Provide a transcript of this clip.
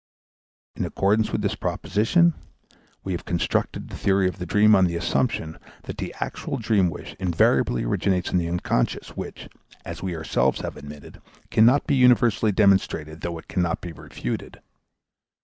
In accordance with this proposition we have construed the theory of the dream on the assumption that the actuating dream wish invariably originates in the unconscious, which, as we ourselves have admitted, cannot be universally demonstrated though it cannot be refuted.